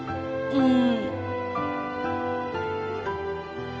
うん。